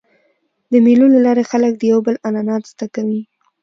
د مېلو له لاري خلک د یو بل عنعنات زده کوي.